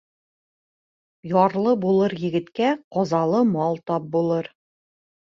Ярлы булыр егеткә ҡазалы мал тап булыр